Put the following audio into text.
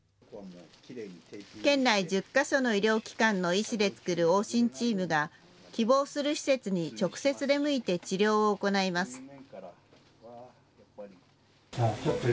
県内１０か所の医療機関の医師で作る往診チームが希望する施設に直接、出向いて治療を行います。